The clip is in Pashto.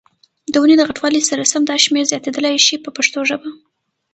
د ونې د غټوالي سره سم دا شمېر زیاتېدلای شي په پښتو ژبه.